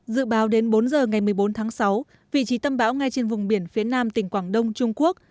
dự báo đến bốn giờ ngày một mươi bốn tháng sáu vị trí tâm bão ngay trên vùng biển phía nam tỉnh quảng đông trung quốc